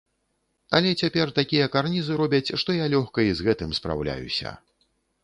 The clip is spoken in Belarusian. Але цяпер такія карнізы робяць, што я лёгка і з гэтым спраўляюся.